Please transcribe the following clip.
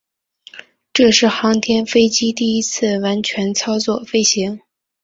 这是航天飞机第一次完全操作飞行。